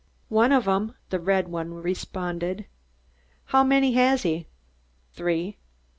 "One of 'em," the red one responded. "How many has he?" "Three."